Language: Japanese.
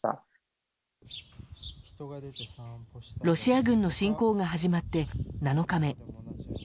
ロシア軍の侵攻が始まって７日目。